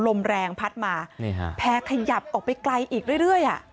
ลมแรงพัดมาแพรขยับออกไปไกลอีกเรื่อย